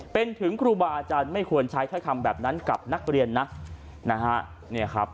เป็นถึงครูบาอาจารย์ไม่ควรใช้เท้าคำแบบนั้นกับนักเรียนน่ะ